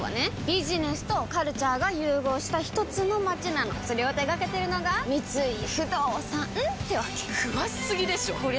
ビジネスとカルチャーが融合したひとつの街なのそれを手掛けてるのが三井不動産ってわけ詳しすぎでしょこりゃ